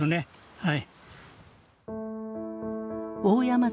はい。